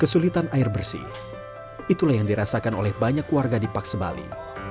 kesulitan air bersih itulah yang dirasakan oleh banyak warga di paksebali